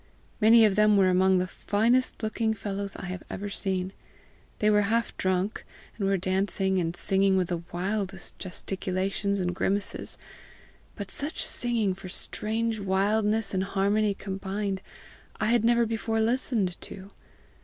Many of them were among the finest looking fellows I have ever seen. They were half drunk, and were dancing and singing with the wildest gesticulations and grimaces; but such singing for strange wildness and harmony combined I had never before listened to.